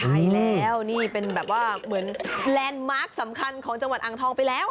ใช่แล้วนี่เป็นแบบว่าเหมือนแลนด์มาร์คสำคัญของจังหวัดอ่างทองไปแล้ว